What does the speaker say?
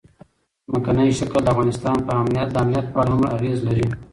ځمکنی شکل د افغانستان د امنیت په اړه هم اغېز لري.